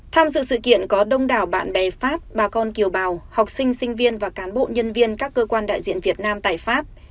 tham dự sự kiện có đông đảo bạn bè pháp bà con kiều bào học sinh sinh viên và cán bộ nhân viên các cơ quan đại diện việt nam tại pháp